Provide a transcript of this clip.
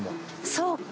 そうか。